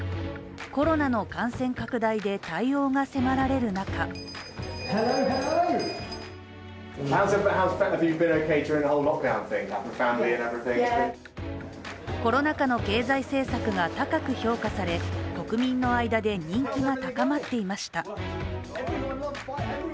コロナの感染拡大で、対応が迫られる中コロナ禍の経済政策が高く評価され国民の間で人気が高まっていました。